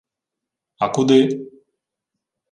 — А куди?